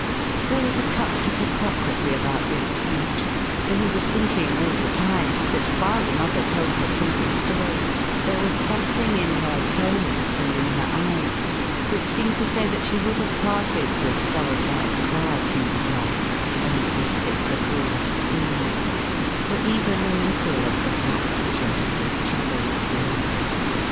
There was a touch of hypocrisy about this speech, for he was thinking all the time that while the mother told her simple story there was something in her tones and in her eyes which seemed to say that she would have parted with some of that quietude of life and reciprocal esteem for even a little of the rapture and the trouble of love.